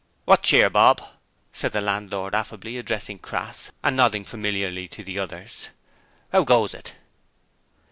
'Wot cheer, Bob?' said the landlord, affably, addressing Crass, and nodding familiarly to the others. ''Ow goes it?'